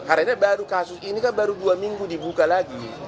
karena ini kan baru dua minggu dibuka lagi